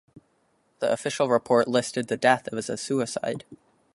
The official report listed the death as a suicide.